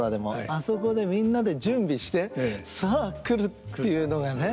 あそこでみんなで準備して「さあくる」っていうのがね。